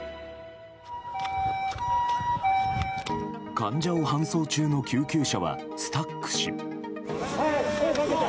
患者を搬送中の救急車はスタックし。